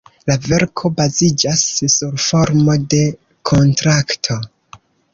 La verko baziĝas sur formo de kontrakto.